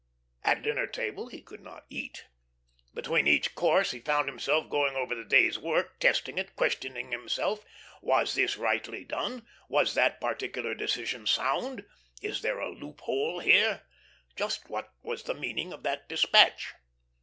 At dinner table he could not eat. Between each course he found himself going over the day's work, testing it, questioning himself, "Was this rightly done?" "Was that particular decision sound?" "Is there a loophole here?" "Just what was the meaning of that despatch?"